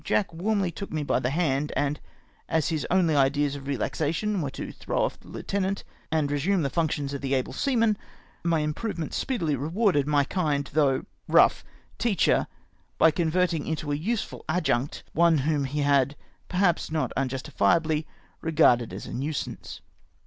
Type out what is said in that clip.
Jack warmly took me by the hand, and as his only ideas of relaxa tion were to throw off the lieutenant and resume the functions of the able seaman, my improvement speedily rewarded my kind though rough teacher, by convert ing into a useful adjunct one whom he had, perhaps not unjustifiably, regarded as a nuisance.